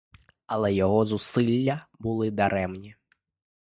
Але його зусилля були даремні.